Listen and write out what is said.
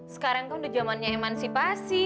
sekarang kan udah zamannya emansipasi